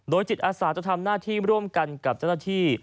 จิตอาสาจะทำหน้าที่ร่วมกันกับเจ้าหน้าที่